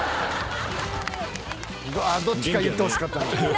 「うわあどっちか言ってほしかったな」